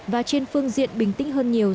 và trên phương diện bình tĩnh hơn nhiều